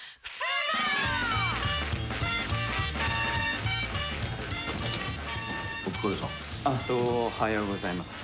あっどはようございます。